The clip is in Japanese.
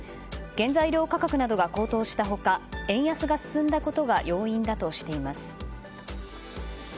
原材料価格などが高騰した他円安が進んだことが要因だとしています。